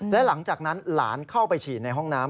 และหลังจากนั้นหลานเข้าไปฉีดในห้องน้ำ